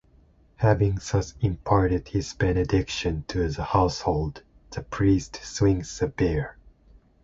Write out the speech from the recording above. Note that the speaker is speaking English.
Having thus imparted his benediction to the household, the priest swigs the bear.